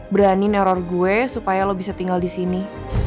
berani neror gue supaya lo bisa tinggal di sini